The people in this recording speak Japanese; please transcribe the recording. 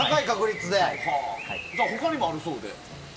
他にもあるそうで。